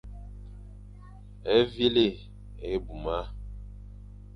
Vîle éimuma.